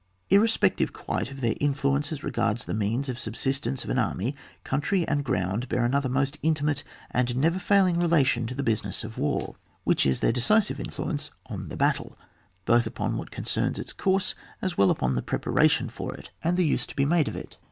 Ikkesfeottve quite of their influence as regards the means of subsistence of an army, country and ground, bear another most intimate and never failing relation to the business of war, which is their de cisive influence on the battle, both upon what concerns its course, as well as upon the preparation for it, and the use to be CHAP. XVII.] ON COUNTRY AND GROUND. 61 made of it.